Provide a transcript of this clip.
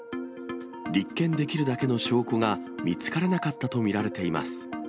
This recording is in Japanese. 立件できるだけの証拠が見つからなかったと見られています。